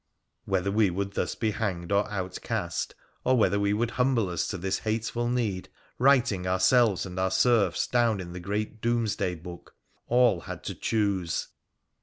Whether we would thus bo hanged or outcast, or whether we would humble us to thia hateful need, writing ourselves and our serfs down in the great ' Doom's Day ' book, all had to choose.